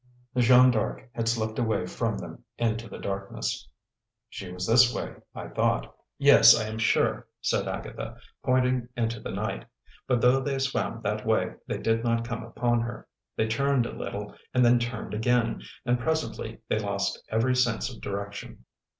The Jeanne D'Arc had slipped away from them into the darkness. "She was this way, I thought. Yes, I am sure," said Agatha, pointing into the night. But though they swam that way, they did not come upon her. They turned a little, and then turned again, and presently they lost every sense of direction.